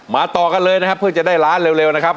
ต่อกันเลยนะครับเพื่อจะได้ล้านเร็วนะครับ